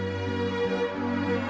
aku langsung aja ya